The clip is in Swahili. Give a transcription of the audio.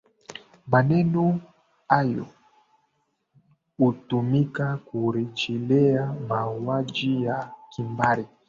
maneno hayo hutumika kurejelea mauaji ya kimbari